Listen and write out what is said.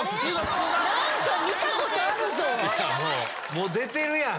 もう出てるやん！